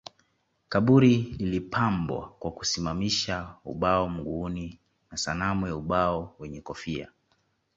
Kaburi lilipambwa kwa kusimamisha ubao mguuni na sanamu ya ubao wenye kofia